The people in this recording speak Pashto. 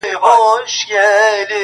o ستا د سوځلي زړه ايرو ته چي سجده وکړه.